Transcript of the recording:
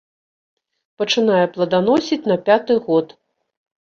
Пачынае пладаносіць на пяты год.